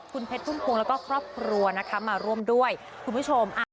คุณเพชรพุ่มพวงแล้วก็ครอบครัวนะคะมาร่วมด้วยคุณผู้ชม